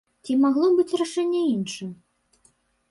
Ці магло быць рашэнне іншым?